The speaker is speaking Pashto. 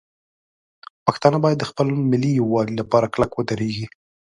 پښتانه باید د خپل ملي یووالي لپاره کلک ودرېږي.